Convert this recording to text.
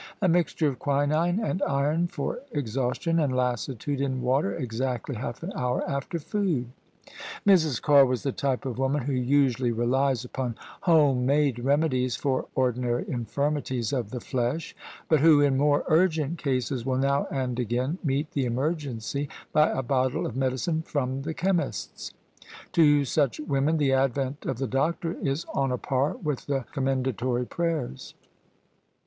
A mixture of quinine and iron for exhaustion and lassitude In water exactly half an hour after food." Mrs. Carr was the type of woman who usually relies upon home made remedies for ordinary infirmities of the flesh; but who, in more urgent cases, will now and again meet the emergency by a bottle of medicine from the chem . ist's. To such women the advent of the doctor is on a par with the Commendatory prayers.